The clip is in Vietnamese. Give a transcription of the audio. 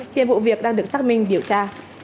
hiện vụ việc đang được xác minh điều tra